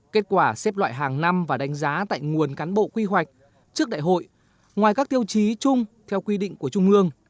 kết quả xếp loại hàng năm và đánh giá tại nguồn cán bộ quy hoạch trước đại hội ngoài các tiêu chí chung theo quy định của trung ương